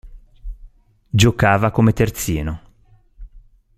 Giocava come terzino.